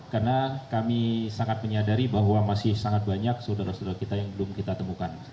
karena kami sangat menyadari bahwa masih sangat banyak saudara saudara kita yang belum kita temukan